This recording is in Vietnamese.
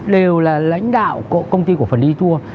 đều là lãnh đạo công ty cổ phần lữ hành fiditur